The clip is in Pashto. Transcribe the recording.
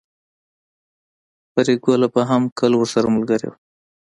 پريګله به هم کله ورسره ملګرې وه